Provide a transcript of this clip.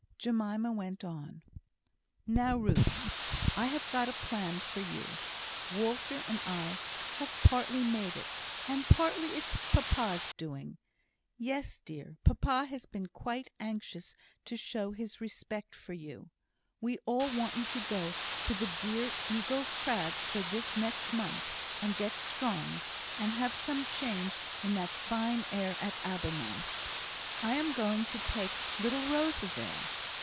Jemima went on: "Now, Ruth! I have got a plan for you. Walter and I have partly made it; and partly it's papa's doing. Yes, dear! papa has been quite anxious to show his respect for you. We all want you to go to the dear Eagle's Crag for this next month, and get strong, and have some change in that fine air at Abermouth. I am going to take little Rosa there.